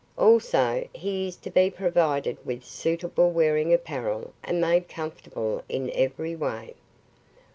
"Also, he is to be provided with suitable wearing apparel and made comfortable in every way.